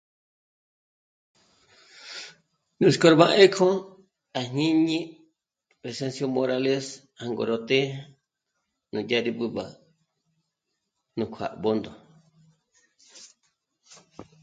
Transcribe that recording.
Nuts'k'ó b'á 'ekjo à jñíñi Cresencio Morales jângo ró të́'ë nudyá rí b'ǚb'ü nú kuá'a á Bṓndo